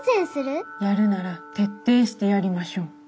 やるなら徹底してやりましょう。